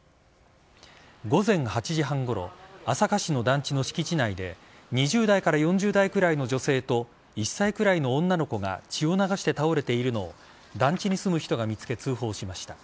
午前８時半ごろ朝霞市の団地の敷地内で２０代から４０代くらいの女性と１歳くらいの女の子が血を流して倒れているのを団地に住む人が見つけ通報しました。